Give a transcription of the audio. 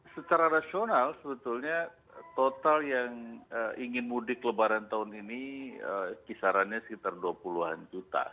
secara rasional sebetulnya total yang ingin mudik lebaran tahun ini kisarannya sekitar dua puluh an juta